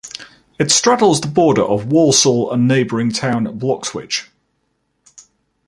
It straddles the border of Walsall and neighbouring town Bloxwich.